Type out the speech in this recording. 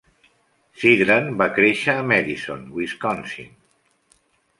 Sidran va créixer a Madison, Wisconsin.